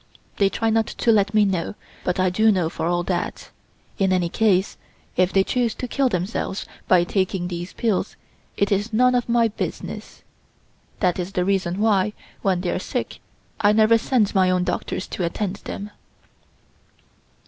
They try not to let me know, but I do know for all that. In any case, if they choose to kill themselves by taking these things, it is none of my business; that is the reason why, when they are sick, I never send my own doctors to attend them."